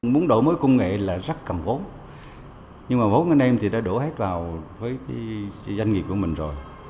muốn đổi mới công nghệ là rất cần vốn nhưng mà vốn anh em thì đã đổ hết vào với doanh nghiệp của mình rồi